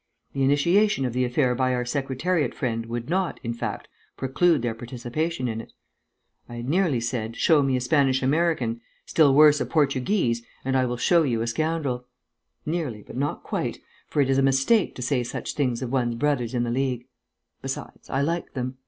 The initiation of the affair by our Secretariat friend would not, in fact, preclude their participation in it. I had nearly said, show me a Spanish American, still worse a Portuguese, and I will show you a scoundrel. Nearly, but not quite, for it is a mistake to say such things of one's brothers in the League. Besides, I like them.